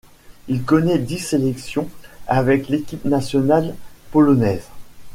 Il connaît dix sélections avec l'équipe nationale polonaise.